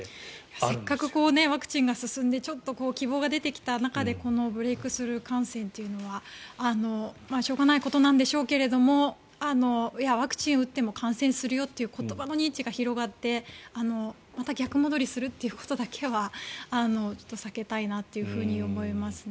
せっかくワクチンが進んで希望が出てきた中でこのブレークスルー感染というのはしょうがないことなんでしょうけれどもワクチン打っても感染するよという言葉の認知が広がってまた逆戻りするということだけは避けたいなと思いますね。